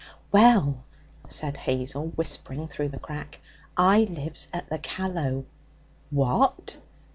'Well,' said Hazel, whispering through the crack, 'I lives at the Callow.' 'What!